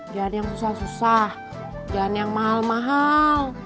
jangan yang susah susah jangan yang mahal mahal